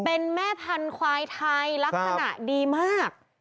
เป็นแม่พันธุ์ควายไทยลักษณะดีมาก